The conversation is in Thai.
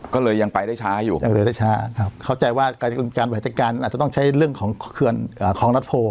ก็เลยยังไปได้ช้าอยู่เข้าใจว่าการบริการอาจจะต้องใช้เรื่องของเครื่องคลองนัดโภ